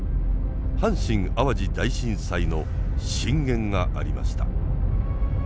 阪神・淡路大震災の震源がありました。